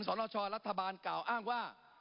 สรชรัฐบาลกล่าวอ้างว่า